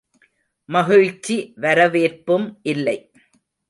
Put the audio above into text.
மகிழ்ச்சி வரவேற்பும் இல்லை.